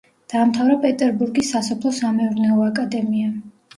დაამთავრა პეტერბურგის სასოფლო-სამეურნეო აკადემია.